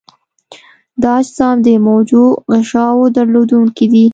دا اجسام د معوجو غشاوو درلودونکي دي.